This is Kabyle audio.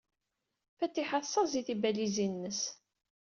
Fatiḥa tessaẓay tibalizin-nnes.